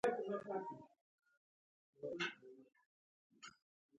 انا د خوشحالۍ لمبې بلوي